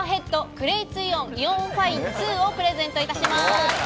「クレイツイオンＩＯファイン２」をプレゼントいたします。